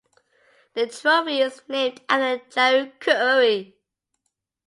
The trophy is named after Jari Kurri.